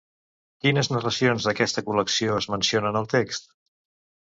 Quines narracions d'aquesta col·lecció es mencionen al text?